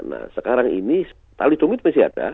nah sekarang ini talidomid masih ada